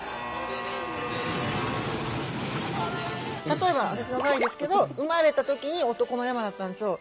例えば私の場合ですけど生まれた時に男の山だったんですよ。